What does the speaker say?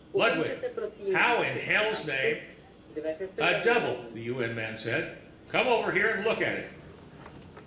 "Ludwig! How in hell's name " "A double," the UN man said. "Come over here and look at him."